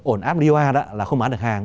ổn áp đi hoa đó là không bán được hàng